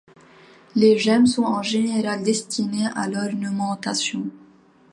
Les gemmes sont en général destinées à l'ornementation.